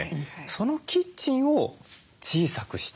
そのキッチンを小さくした。